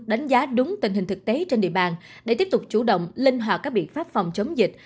đánh giá đúng tình hình thực tế trên địa bàn để tiếp tục chủ động linh hoạt các biện pháp phòng chống dịch